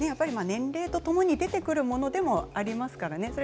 年齢とともに出てくるものでもありますからね